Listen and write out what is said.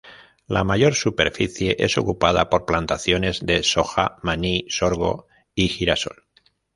La mayor superficie es ocupada por plantaciones de soja, maní, sorgo y girasol.